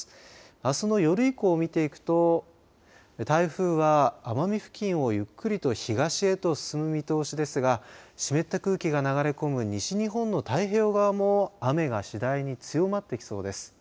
あすの夜以降を見ていくと台風は奄美付近をゆっくりと東へと進む見通しですが湿った空気が流れ込む西日本の太平洋側も雨が次第に強まってきそうです。